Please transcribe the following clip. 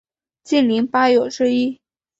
竟陵八友之一。